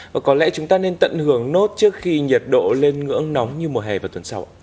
và có lẽ chúng ta nên tận hưởng nốt trước khi nhiệt độ lên ngưỡng nóng như mùa hè vào tuần sau